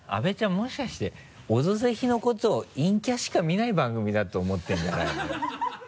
もしかして「オドぜひ」のことを陰キャしか見ない番組だと思ってるんじゃないの？